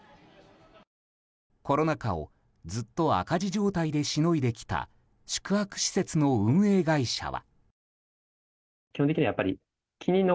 コロナ禍をずっと赤字状態でしのいできた宿泊施設の運営会社は。